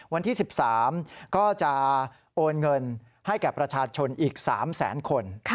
วันที่๑๓ก็จะโอนเงินให้แก่ประชาชนอีก๓แสนคน